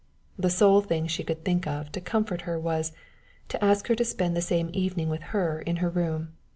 The sole thing she could think of to comfort her was, to ask her to spend the same evening with her in her room.